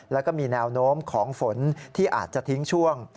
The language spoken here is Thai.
แล้วก็มีแนวโน้มของฝนที่อาจจะทิ้งช่วง